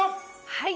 はい。